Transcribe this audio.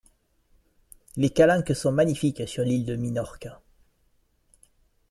Les calanques sont magnifiques sur l'île de Minorque.